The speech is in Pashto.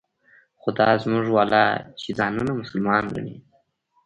خو دا زموږ والا چې ځانونه مسلمانان ګڼي.